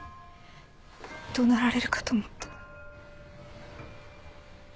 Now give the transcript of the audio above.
怒鳴られるかと思った。